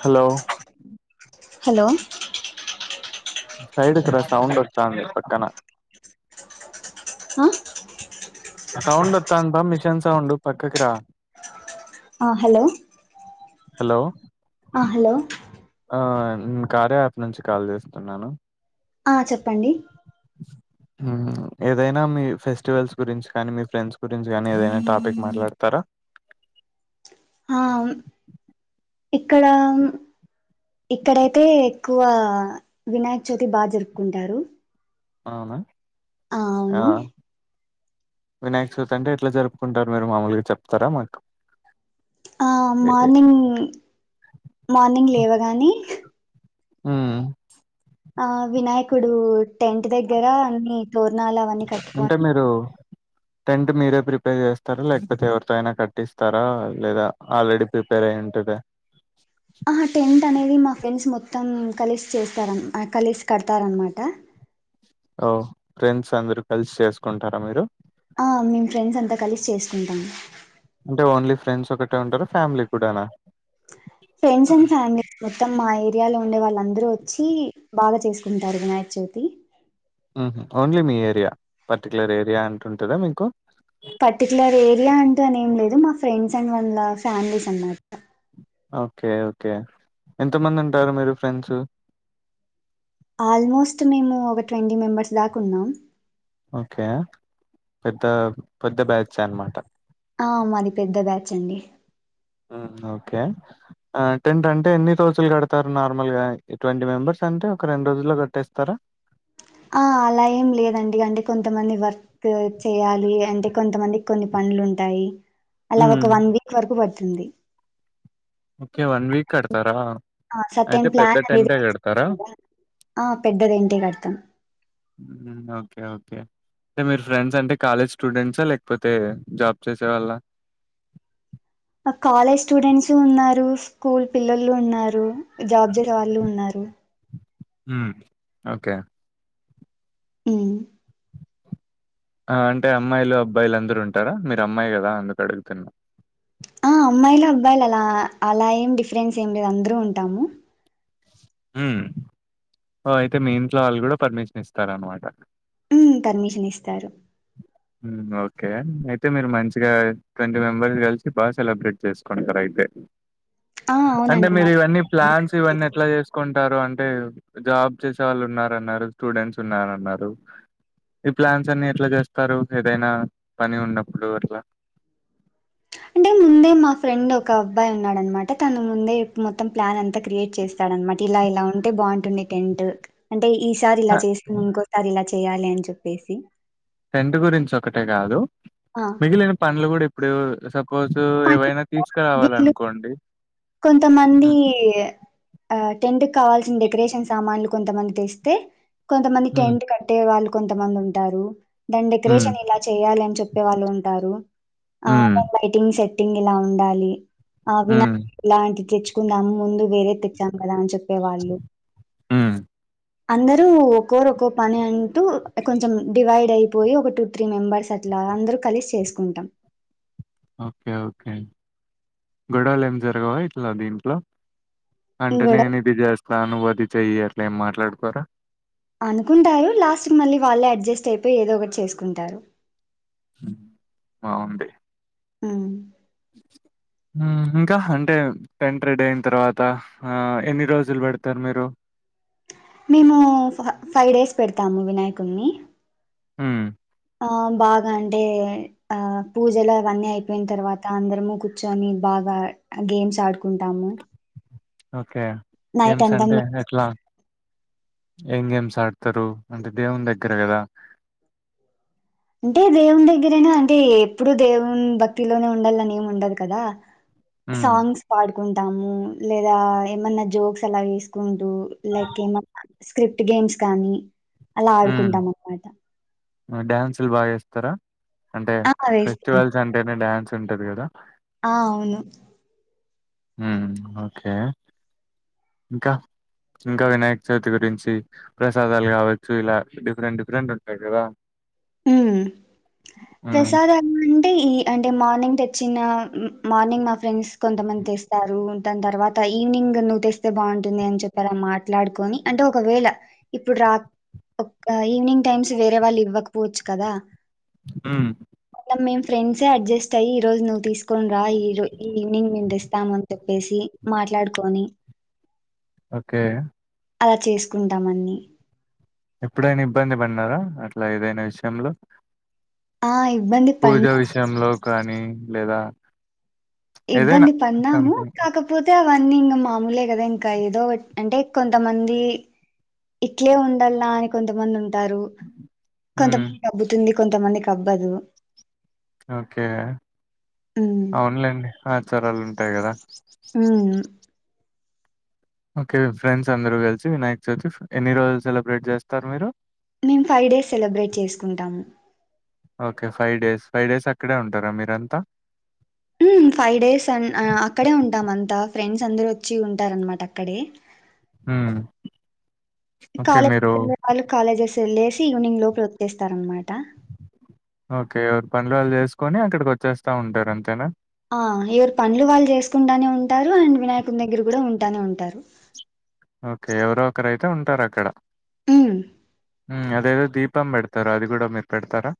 Hello hello side కి రా సౌండ్డొంతందీ పక్కన. ఆ సౌండోతంద్ ప మిషన్ సౌండ్ పక్కకి రా. ఆ హలో హలో ఆ హలో ఆ న్ కార్య యాప్ నుంచి కాల్ జేస్తున్నాను. ఆ చెప్పండి. మ్ ఏదైనా మీ ఫెస్టివల్స్ గురించి కానీ మీ ఫ్రెండ్స్ గురించి కానీ ఏదైనా టాపిక్ మాట్లాడతారా. ఆ ఇక్కడ ఇక్కడైతే ఎక్కువ వినాయక్ చవితి బా జరుపుకుంటారు. అవునా ఆ వినాయక్ చవితి అంటే ఎట్లా జరుపుకుంటారు మీరు మామూలుగా చెప్తారా మాకు. ఆ మార్నింగ్ మార్నింగ్ లేవగానే. హ్మ్ ఆ వినాయకుడు టెంట్ దగ్గర అన్ని తోర్నాలు అవన్నీ అంటే కట్టుకొని. మీరు టెంట్ మీరే ప్రిపేర్ జెస్తారా ల్యాక్పోతే ఎవరితో అయినా కట్టిస్తారా. లేదా ఆల్రెడీ ప్రిపేర్ అయ్యుంటదా. హహ టెంట్ అనే ది మా ఫ్రెండ్స్ మొత్తం కలిస్ చేస్తారన్ ఆ కలిసి కడతారన్మాట ఓ ఫ్రెండ్స్ అందరు కలిసి చేసుకుంటారా మీరు హ మేము ఫ్రెండ్స్ అంతా కలిసి చేసుకుంటము అంటే ఓన్లీ ఫ్రెండ్స్ ఒకటే ఉంటారు ఫ్యామిలీ కూడానా ఫ్రెండ్స్ అండ్ ఫ్యామిలీ మొత్తం మా ఏర్ యాలో ఉండే వాళ్ళందరూ వచ్చి బాగా చేసుకుంటారు వినాయక్ చవితి ఉ హు ఓన్లీ మీ ఏరియా పర్టిక్యలర్ ఏరియా అంటుంటదా మీకు పర్టికులర్ ఏరియా అంటూ అనేం లేదు మా ఫ్రెండ్స్ అండ్ వల ఫ్యామిలీస్ అన్నమాట ఓకే ఓకే ఎంత మంది ఉంటారు మీరు ఫ్రెండ్స్ ఆల్మోస్ట్ మేము ఒక ట్వంటీ మెంబర్స్ దాకున్నాం ఓకే పెద్ద పెద్ద బ్యాచ్ అనమాట ఆ మాది పెద్ద బ్యాచ్ అండి హామ్ ఓకే టెంట్ అంటే ఎన్ని రోజులు కడతారు నార్మల్గా ట్వంటీ మెంబెర్స్ అంటే ఒక రెండు రోజుల్లో కట్టేస్తారా ఆ అలా ఏం లేదండి అంటే కొంతమంది వర్క్ చేయాలి అంటే కొంతమందికి కొన్ని పనులు ఉంటాయి అలా ఒక హ్మ్. వన్ వీక్ వరకు పడుంది ఉంది ఓకే వన్ వీక్ ఆడతారా హ సర్టెన్ ప్లాన్ వేసుకోవాలి కదా ఆ పెద్ద రెంటే కడతాం ఓకే ఓకే అంటే మీరు ఫ్రెండ్స్ అంటే కాలేజ్ స్టూడెంట్సా లేకపోతే జాబ్ చేసే వాళ్ళ కాలేజ్ స్టూడెంట్స్ ఉన్నారు స్కూల్ పిల్లలు ఉన్నారు జాబ్జ వాళ్ళు ఉన్నారు ఉమ్ ఓకే ఉమ్ ఆ అంటే అమ్మాయిలు అబ్బాయిలు అందరు ఉంటారా మీరు అమ్మాయి కదా అందుకు అడుగుతున్నా ఆ అమ్మాయిలు అబ్బాయిలు అలా అలా ఏం డిఫరెన్స్ ఏం లేదు అందరూ ఉంటాము హమ్ ఓ అయితే మీ ఇంట్లో వాళ్ళు కూడా పర్మిషన్ ఇస్తార అనమాట హామ్ పర్మిషన్ ఇస్తారు ఓకే అయితే మీరు మంచిగా ట్వంటీ మెంబెర్స్ కలిసి బాగా సెలబ్రేట్ చేసుకుంటారు అయితే ఆ అంటే అవునండి మా మీరు ఇవన్నీ ప్లాన్స్ ఇవన్నీ ఎట్లా చేసుకుంటారు అం అ జాబ్ చేసే వాళ్ళు ఉన్నన్నారు స్టూడెంట్స్ ఉన్నన్నారు ఈ ప్లాన్స్ అన్ని ఎట్లా చేసు వస్తారు ఏదైనా పని ఉన్నప్పుడు అట్లా అంటే ముందే మా ఫ్రెండ్ ఒక అబ్బాయి ఉన్నాడనమాట తన ముందేడు మొత్తం ప్లాన్ అంతా క్రియేట్ చేస్తాడనమాట ఇలా ఇలా ఉంటే బాగుంటుండంది టెంట్ అని అంటే ఈసారి అహా! చేస్తున్నాం ఇంకోసారి ఇలా చేద్దాం చేయాలి అని చెప్పేసి టెంట్ గురించి ఒకటే కాదు ఆ మిగిలిన పండ్లు కూడా ఇప్పు ఇప్పుడు సపోజ పని- ఏవైనా వీళ్ళు తీసుకురావాలనుకోండి కొంతమంది హ్మ్. ఆ టెంట్ కావాల్సిన డెకరేషన్ సామాన్లు కొంతమంది తెస్తే కొంతమంది హ్మ్. టెంట్ కట్టేవాళ్ళు కొంతమంది ఉంటారు దాని హ్మ్. డెకరేషన్ ఇలా చేయాలిని చెప్ప చేసే వాళ్ళు ఉంటారు ఆ హ్మ్. బైటింగ్ చెట్ పటింగ్ ఇలా ఉండాలి ఆ వినా హ్మ్. వండి తెచ్చుకుందాము ముందు వేరే తెచ్చాం కదా అని చెప్పేవాళ్ళు హ్మ్. అందరుూ ఒక్కోరు ఒక్కో పని అంటూ కొంచెం డివైడ్ అయిపోయి ఒక టూ త్రీ మెంబర్స్ అట్లా అందరు కలిసి చేసుకుంటాం ఓకే ఓకే గొడవలు ఏం జరగవా ఇట్లా దీంట్లో అంటే గొడవ నేను ఇది చేస్తా నువ్వ అది చెయ్యి ఏం మాట్లాడుకోరా అనుకుంటారు లాస్ట్ కి మళ్ళీ వాళ్ళే అడ్జస్ట్ అయిపోయ్ ఏదో ఒకటి చేసుకుంటారు బావుంది ఉమ్ ఉమ్ ఇంక అంటే టెంట్ రెడీ అయిన తర్వాత ఎన్ని రోజులు పెడతరు మీరు మేము ఫ ఫైవ్ డేస్ పెడతాము వినాయకున్ని ఉమ్ ఆ బాగ అంటే ఆ పూజలు అవన్ని అయిపోయిన్ తర్వాత అందరము కుచ్చొని బాగా గేమ్స్ ఆడుకుంటాము కే నైట్ గేమ్స్ అంతా అంటే మే ఎట్ల ఏం గేమ్స్ ఆడ్తరు అంటే దేవున్ దగ్గర కదా అంటే దేవున్ దగ్గరైన అంటే ఎప్పుడూ దేవున్ భక్తిలోనే ఉండాల్లనేముండదు కదా హ్మ్. సాంగ్స్ పాడు కుంటాము లేదా ఏమన్న జోక్స్ అలా వేసుకుంటూ లైక్ ఏమన్న స్క్రిప్ట్ గేమ్స్ కానీ అలా ఆడుకుంటాం అన్మాట ఉమ్ డ్యాన్సుల్ బా చేస్తరా అంటే ఆ వేస్తాం ఫెస్టివల్స్ అంటేనే డ్యాన్స్ ఉంటది కదా ఆ అవును ఉమ్ ఓకే ఇంక ఇంకా వినాయకచవితి గురించి ప్రసాదాలు కావచ్చు ఇలా డిఫరెంట్ డిఫరెంట్ ఉంటాయ్ కదా ఉమ్ ఉమ్ ప్రసాదమ్ అంటే ఈ అంటే మార్నింగ్ టె చిన్న మార్నింగ్ మా ఫ్రెండ్స్ కొంతమంది తెస్తారు దాన్ తర్వాత ఈవినింగ్ నువ్వు తెస్తే బాగుంటుంది అని చెప్పి అలా మాట్లాడుకోని అంటే ఒకవేళ ఇప్పుడు రా ఒక ఈవినింగ్ టైమ్స్ వేరే వాళ్ళు ఇవ్వక పోచ్చ్ కదా ఉమ్ మేం ఫ్రెండ్సే అడ్జస్ట్ అయ్యి ఈ రోజు నువ్వు తీసుకోని రా ఈరో ఈ ఈవినింగ్ మేమ్ తెస్తాము అని చెప్పేసి మాట్లాడుకోని ఒకే అలా చేసుకుంటామన్ని ఎప్పుడైన ఇబ్బంది పన్నారా అట్ల ఏదైనా విషయంలో ఆ ఇ పూజా విషయంలో కానీ లేదా ఏదైనా ఇబ్బంది పన్నాము సంథింగ్ కాకపోతే వన్ని ఇంగ మామూలే కద ఇంక ఏదో అంటే కొంతమంది ఇట్లే ఉండల్ల అని కొంతమందు టారు ఉమ్ కొంతమందికబ్బుతుంది కొంతమందికబ్బదు ఒకే హ్మ్. అవున్లేండి ఆచారాలు ఉంటాయ్ కదా ఉమ్ ఒకే ఫ్రెండ్స్ అందరు కలిసి వినాయక్చవితి ఫిఫ్ ఎన్ని రోజులు సెలబ్రేట్ చేస్తారు మీరు మేమ్ ఫైవ్ డేస్ సెలబ్రేట్ చేసుకుంటాము okay five days five days అక్కడే ఉంటారా మీరంతా ఫైవ్ డేస్ అక్కడే ఉంటాం అంతా ఫ్రెండ్స్ అందరుూ వచ్చి ఉంటార అనమాట అక్కడే ఆ కాలేజ్ళ్ కాలేజ్ లేసి ఈవినింగ్ లోపు వతిస్తార అనమాట ఓకే ఎవరి పనులు వాళ్ళు చేసుకొని అక్కడికి వచ్చేస్తా ఉంటారు అంతేనా ఆ ఎవరు పనులు వాళ్ళు చేసుకుంటానే ఉంటారు అండ్ వినాయకుని దగ్గర కూడా ఉంటానే ఉంటారు ఓకే ఎవరో ఒకరుైతే ఉంటారు అక్కడ తన్ అదేదో దీపం పెడతారా అది కూడా మీరు పెడతారా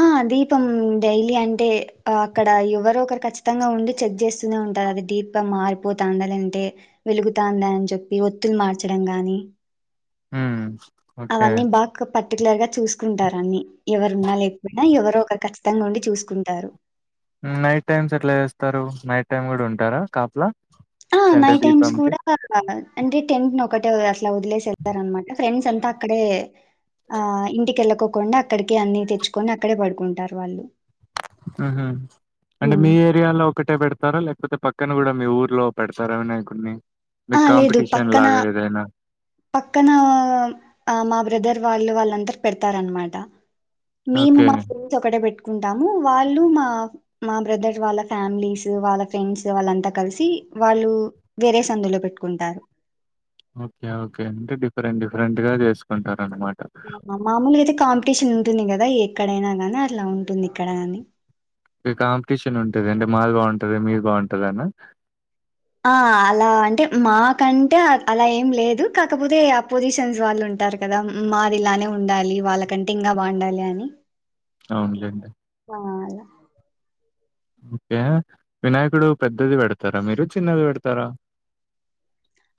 ఆ దీపం డైలీ అంటే అక్కడ ఎవరో ఒకరు ఖచ్చితంగా ఉండి చెక్ చేస్త ఉంట అ మార్ పోతాండాలంటే వెలుగుతాందా అని చెప్పి ఒత్తులు మార్చడం గాని మ్ అవన్నీ బాక పట్ పర్టికులర్ గా చూసుకుంటారు అన్ని ఎవరు ఉన్నా లేకుయినా ఎవరు ఒక ఖచ్చితంగా ఉండి చూసుకుంటారు నైట్ టైమ్స్ ఎట్లా చేస్తారు నైట్ టైమ్ కూడా ఉంటారా కాపలా ఆ అంటే నైట్ టైమ్స్ దీపంకి? కూడా అంటే టెంట్ ఒకటే ఇలా వదిలేసేస్తారు అనమాట ఫ్రెండ్స్ అంతా అక్కడే ఆ ఇంటికిళ్ళకోకుండా అక్కడికి అన్ని తెచ్చుకొని అక్కడే పడుకుంటారు వాళ్ళు ఆహ అంటే హ్మ్. మీ ఏరియాలో ఒకటే పెడతారా లేకపోతే పక్కన కూడా మీ ఊరు లో పెడతారు వినయకుడిని ఆ లేదు పక్కన పక్కన మా బ్రదర్ వాళ్ళు వాళ్ళ అందరు పెడతారనమాట మీ ఓకే. మా ఫ్రెండ్స్ ఒకటె పెట్ ంటాము వాళ్ళు మా మా బ్రదర్ వాళ్ళ ఫ్యామిలీస్ వాళ్ళ ఫ్రెండ్స్ వాళ్ళంతా కలిసి వాళ్ళు వేరే సందులో పెట్టుకుంటారు ఓకే ఓకే అంటే డిఫరెంట్ డిఫరెంట్ గా చేసుకుంటారు అనమాట మామూలుగా అయితే కాంపిటీషన్ ఉంటుంది కదా ఎక్కడైనా గాని అట్లా ఉంటుంది ఇక్కడ కాని కాంపిటీషన్ ఉంటది అంటే మాది బాగుంటది మీది బాగుంటదా అనా ఆ అలా అంటే మాకంటే అలా ఏం లేదు కాకపోతే అపోజిషన్స్ వాళ్ళు ఉంటారు కదా, మాది ఇలానే ఉండాలి వాళ్ళకంటే ఇంకా బాగుండాలి అని అవునులేండి ఆ లా ఓకే వినాయకుడు పెద్దది పెడతారా మీరు చిన్నది పెడతారా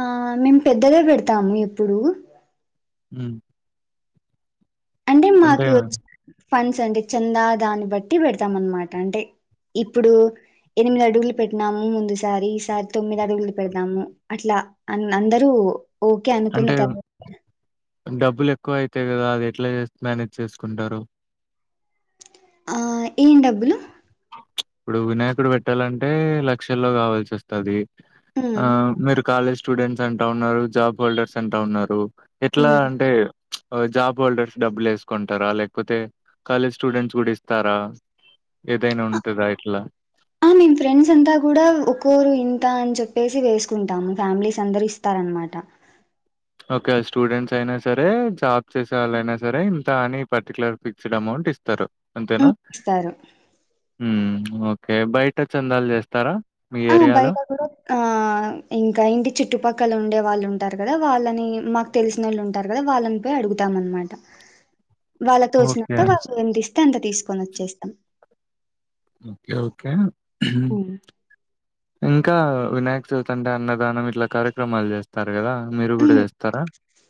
ఆ మేము పెద్దదే పెడతాము ఎప్పుడూ ఊ అంటే మాకు ఫండ్స్ అంటే చందా దాన్ని బట్టి పెడతాం అనమాట అంటే ఇప్పుడు ఎనిమిది అడుగులు పెట్టినాము ముందుసారి ఈసారి తొమ్మిది అడుగులు పెడదాము అట్లా అన్ అందరూ ఓకే అనుకున్న తర్వా క్కువ అయితాయు కదా అది ఎట్ల చే మేనేజ్ చేసుకుంటారు ఆ ఏం డబ్బులు ఇప్పుడు వినాయకుడు పెట్టాలంటే లక్షల్లో కావాల్సి వస్తది ఉమ్, ఆ మీరు కాలేజ్ స్టూడెంట్స్ అంటా ఉన్నారు జాబ్ హోల్డర్స్ అంటా ఉన్నారు ఎట్లా ఉమ్. అంటే జాబ్ హోల్డర్స్ డబ్బులు వేసుకుంటారా లేకపోతే కాలేజ్ స్టూడెంట్స్ కూడా ఇస్తారా ఏదైనా ఉంటదా ఇట్లా? ఆ మేము ఫ్రెండ్స్ అంతా కూడా ఒక్కోరూ ఇంత అని చెప్త ప్పేసి వేసుకుంటాము ఫ్యామిలీస్ అందరు ఇస్తారనమాట ఓకే స్టూడెంట్స్ అయినా సరే జాబ్ చేసే వాళ్ళైనా సరే ఇంత అని పర్టికులర్ ఫిక్స్డ్ అమౌంట్ ఇస్తారు అంతేనా ఇస్తారు హ ఓకే బయట చందాలు చేస్తారా ఆ బయట కూడా ఆ ఇంకా ఇంటి చుట్టుపక్కల ఉండేవా వాళ్ళు ఉంటారు కదా వాళ్ళని మాకు తెలిసిన వాళ్ళు ఉంటారు కదా వాళ్ళని పోయి అడుగుతాం అనమాట వాళ్ళ తోచినంత ఓకే. వాళ్ళు ఎంత ఇస్తే అంత తీసుకొని వచ్చేస్తాం ఓకే ఓకే ఉమ్ ఇంకా వినాయక్ చవితంటే అన్నదానం ఇట్లా కార్యక్రమాలు చేస్తారు కదా ఉమ్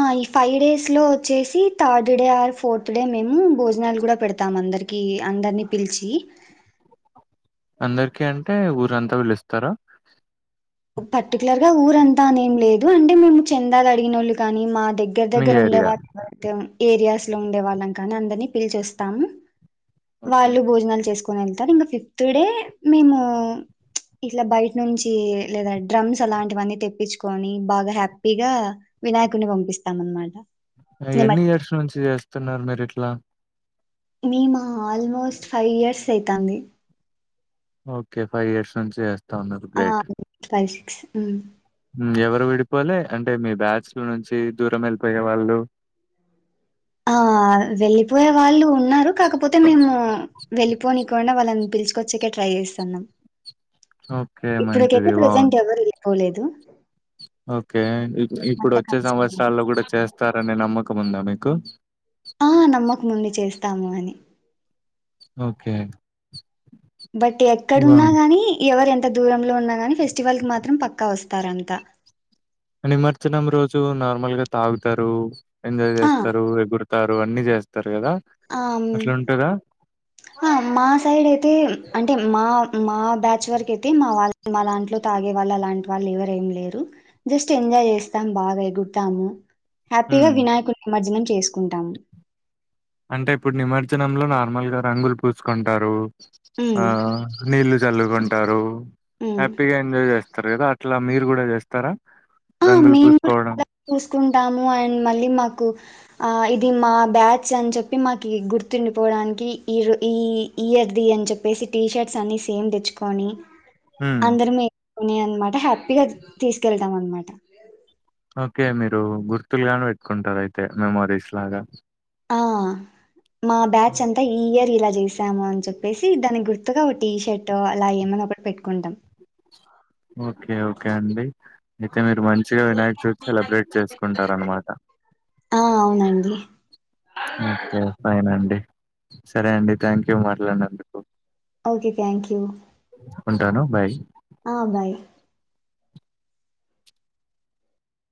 ఆ ఈ ఫైవ్ డేస్ లో వచ్చేసి third day or fourth day అ మేము భోజనాలు కూడా పెడతాం అందరికి అందరినీ పిలిచి అందరికి అంటే ఊరంతా పిలుస్తార పర్టికులర్ గా ఊరంతా అని ఏం లేదు అంటే మేము చందాలు అడిగినోళ్ళు కాని మాది దగ్గర మీ దగ్గర ఉండే ఏరియా. వాళ్ళ ఏరియాస్ లో ఉండే వాళ్ళం కానీ అందరినీ పిలిచేస్తాము ఓకే. వాళ్ళు భోజనాలు చేసుకొని వెళ్తారు ఇంకా ఫిఫ్ టుడే మేము ఇట్లా బయట నుంచి లేదా డ్రమ్స్ అలాంటివన్నీ తెప్పించుకొని బాగా హ్యాపీగా వినాయకుని పంపిస్తాం అనమాట ఎన్ని ఇయర్స్ నుంచి చేస్తున్నారు మీరు ఇట్లా మేమా ఆల్మోస్ట్ ఫైవ్ ఇయర్స్ అయితంది ఓకే ఫైవ్ ఇయర్స్ నుంచి ఉన్నారు. ఆ గ్రేట్. పై ఉమ్ ఎవరు విడిపోలే అంటే మీ బ్యాచ్ నుంచి దూరం వెళ్ళిపోయే వాళ్ళు ఆ వెళ్ళిపోయే వాళ్ళు ఉ న్నారు కాకపోతే మేము వెళ్ళిపోనికొండా వాళ్ళని పిలుచుము వచ్చాక ట్రై చేస్తాన్నాం ఓకే. ఇప్పుడికైతే మంచిది. ప్రెజెంట్ బావుంది. ఎవరు లే పోలేదు ఓకే ఇప్పుడు వచ్చే ఉంది. సంవత్సరాల్లో కూడా చేస్తారనే నమ్మకం ఉందా మీకు ఆ నమ్మకముంది చేస్తాము అని ఓకే బట్ బా ఎక్కడున్నా గాని ఎవరు ఎంత అంత దూరంలో ఉన్నా గాని ఫెస్టివల్ కి మాత్రం పక్కా వస్తారంతా నిమజ్జనం రోజు నార్మల్ గా తాగుతారు ఎంజాయ్ ఆ! చేస్తారు ఎగురు ారు అన్ని చేస్తారు కదా ఆహ్, హ్మ్. అట్లా ఉంటదా మా సైడ్ అయితే అంటే మా మా బ్యాచ్ వరకు అయితే మా వాళ్ళ మా దాంట్లో తాగేవాళ్ళు అలాంటి వాళ్ళు ఎవరు ఏం లేరు జస్ట్ ఎంజాయ్ చేస్తాం బాగా ఎగురుతాము హ్యాపిగా హ్మ్. వినాయకులు నిమర్జనం చేసుకుంటాము అంటే ఇప్పుడు నిమజ్జనంలో నార్మల్ గా రంగులు పూసుకుంటారు హ్మ్. ఆ నీలు చల్లుకుంటారు హ్మ్. హ్యాపీగా ఎంజాయ్ చేస్త కదా అట్లా మీరు కూడా చేస్తారా ఆ! రంగులు మేము కూడా పూసుకోవడం అలాగే చూసుకుంటాము అండ్ మళ్ళీ మాకు ఇది మా బ్యాచ్ అని చెప్పి మాకు గుర్తుండిపోవడానికి ఈ ఈ ఇయర్ది అని చెప్పేసి టీ షర్ట్స్ అన్ని సేమ్ తెచ్చుకొని హ్మ్. అందరిమే పోనీ అనమాట హ్యాపీగా తీసుకెళ్తాం అనమాట ఓకే మీరు గుర్తులు గాని పెట్టుకుంటారు అయితే మెమోరీస్ లాగా ఆ మా బ్యాచ్ అంతా ఈ ఇయర్ ఇలా చేసాము అని చెప్పేసి దానికి గుర్తుగా ఓ టీ షర్ట్ అలా ఏమైనా ఒకటీ పెట్టుకుంటాం ఓకే ఓకే అండి ఇక మీరు మంచిగా వినాయక చవితి సెలబ్రేట్ చేసుకుంటారన్నమాట ఆ అవునండి. ఓకే ఫైన్ అండి సరే అండి థ్యాంక్ యూ మాట్లాడినందుకు ఓకే థ్యాంక్ యూ ఉంటాను బాయ్ ఆ బాయ్